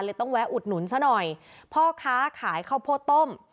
ต้องแวะอุดหนุนซะหน่อยพ่อค้าขายข้าวโพดต้ม